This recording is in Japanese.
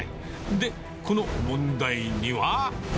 で、この問題には。